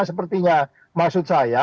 sepertinya maksud saya